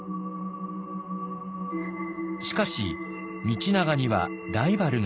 しかし道長にはライバルがいました。